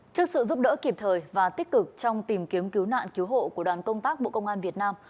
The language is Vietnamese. trước sự giúp đỡ kịp thời và tích cực trong tìm kiếm cứu nạn cứu hộ của đoàn công tác bộ công an việt nam